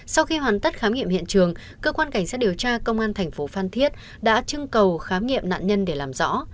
sau khi hoàn tất khám nghiệm hiện trường cơ quan cảnh sát điều tra công an thành phố phan thiết đã trưng cầu khám nghiệm nạn nhân để làm rõ